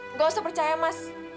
nggak usah percaya mas